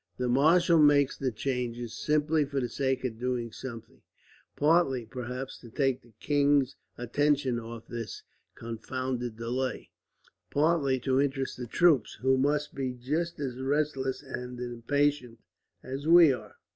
"The marshal makes the changes simply for the sake of doing something partly, perhaps, to take the king's attention off this confounded delay; partly to interest the troops, who must be just as restless and impatient as we are."